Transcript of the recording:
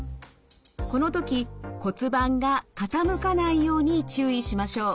この時骨盤が傾かないように注意しましょう。